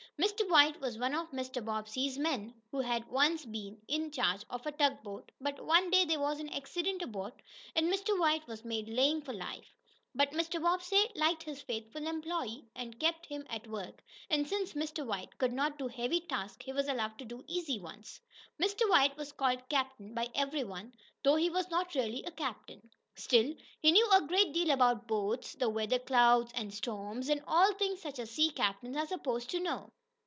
Mr. White was one of Mr. Bobbsey's men who had once been in charge of a tugboat, but one day there was an accident aboard, and Mr. White was made lame for life. But Mr. Bobbsey liked his faithful employee, and kept him at work, and since Mr. White could not do heavy tasks, he was allowed to do easy ones. Mr. White was called "Captain" by every one, though he was not really a captain. Still, he knew a great deal about boats, the weather clouds and storms, and all things such as sea captains are supposed to know.